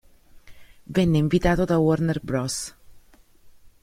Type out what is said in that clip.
Venne invitato da Warner Bros.